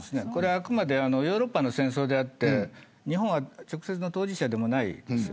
あくまでヨーロッパの戦争であって日本は直接の当事者でもないです。